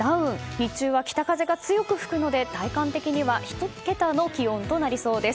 日中は北風が強く吹くので体感的には１桁の気温となりそうです。